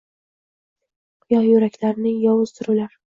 Quyon yuraklarni, yovuzdir ular